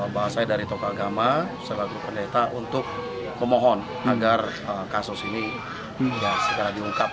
bahas saya dari tokoh agama sebagai pendeta untuk memohon agar kasus ini segera diungkap